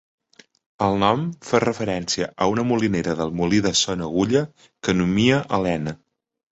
El nom fa referència a una molinera del molí de Son Agulla que nomia Elena.